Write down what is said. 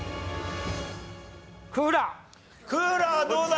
クーラーどうだ？